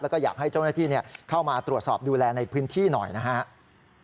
แล้วก็อยากให้เจ้าหน้าที่เข้ามาตรวจสอบดูแลในพื้นที่หน่อยนะครับ